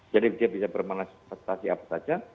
jadi dia bisa bermanifestasi apa saja